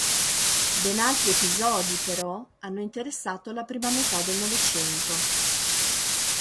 Ben altri episodi, però, hanno interessato la prima metà del Novecento.